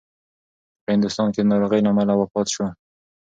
هغه په هندوستان کې د ناروغۍ له امله وفات شو.